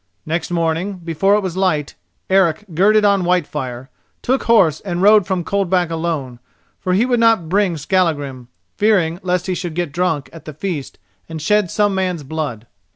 Next morning, before it was light, Eric girded on Whitefire, took horse and rode from Coldback alone, for he would not bring Skallagrim, fearing lest he should get drunk at the feast and shed some man's blood.